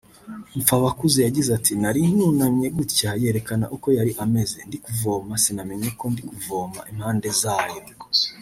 Mpfabakuze yagize ati “Nari nunamye gutya (yerekana uko yari ameze) ndi kuvoma sinamenya ko ndi kuvoma impande zayo